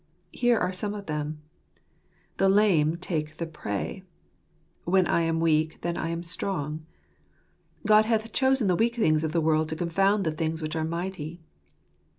Here are some of them :" The lame take the prey"; "When I am weak, then am I strong"; "God hath chosen the weak things of the world to confound the things which are mighty."